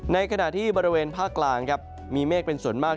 ในขณะที่บริเวณภาคกลางครับมีเมฆเป็นส่วนมาก